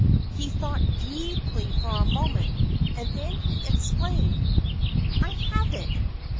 He thought deeply for a moment; and then he exclaimed: "I have it!